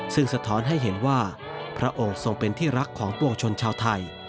ซึ่งสะท้อนให้เห็นว่าพระองค์ทรงเป็นที่รักของปวงชนชาวไทย